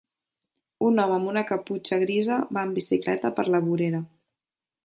Un home amb una caputxa grisa va en bicicleta per la vorera.